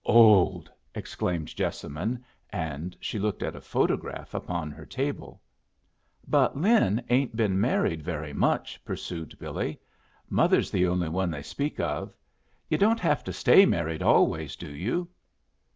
"Old!" exclaimed Jessamine. And she looked at a photograph upon her table. "But Lin ain't been married very much," pursued Billy. "Mother's the only one they speak of. You don't have to stay married always, do you?"